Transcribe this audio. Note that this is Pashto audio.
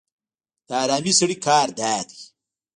د حرامي سړي کار دا دی.